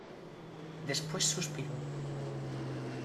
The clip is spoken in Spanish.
después suspiró: